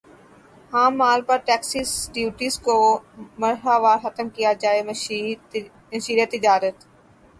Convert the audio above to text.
خام مال پر ٹیکسز ڈیوٹیز کو مرحلہ وار ختم کیا جائے گا مشیر تجارت